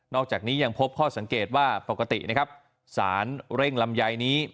อกจากนี้ยังพบข้อสังเกตว่าปกตินะครับสารเร่งลำไยนี้